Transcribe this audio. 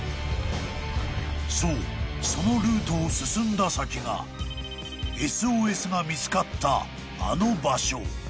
［そうそのルートを進んだ先がＳＯＳが見つかったあの場所］